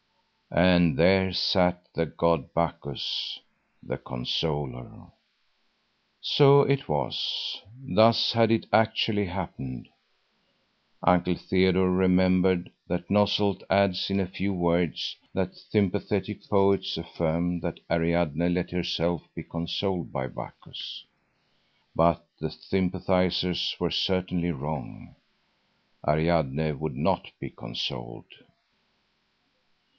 And there sat the god Bacchus, the consoler. So it was. Thus had it actually happened. Uncle Theodore remembers that Nösselt adds in a few words that sympathetic poets affirm that Ariadne let herself be consoled by Bacchus. But the sympathizers were certainly wrong. Ariadne would not be consoled.